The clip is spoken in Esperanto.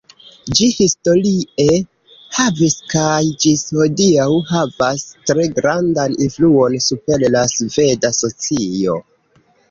Ĝi historie havis kaj ĝis hodiaŭ havas tre grandan influon super la sveda socio.